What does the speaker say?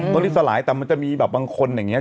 ตอนนี้สลายแต่มันจะมีแบบบางคนอย่างนี้